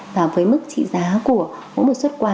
và với mức trị giá của mỗi một xuất quà